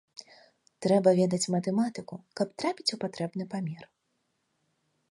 Трэба ведаць матэматыку, каб трапіць у патрэбны памер.